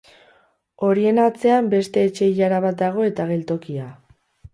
Horien atzean beste etxe-ilara bat dago eta geltokia.